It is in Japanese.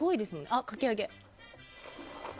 あ、かき揚げ。